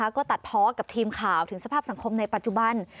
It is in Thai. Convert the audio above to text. ก็ตัดเพาะกับทีมข่าวถึงสภาพสังคมในปัจจุบัน